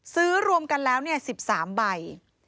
รวมกันแล้ว๑๓ใบ